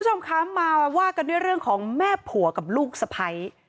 คุณผู้ชมคะมาว่ากันด้วยเรื่องของแม่ผัวกับลูกสะพ้าย